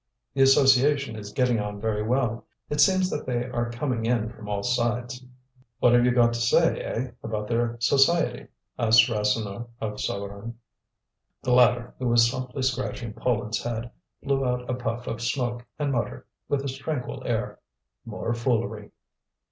"The association is getting on very well. It seems that they are coming in from all sides." "What have you got to say, eh, about their society?" asked Rasseneur of Souvarine. The latter, who was softly scratching Poland's head, blew out a puff of smoke and muttered, with his tranquil air: "More foolery!"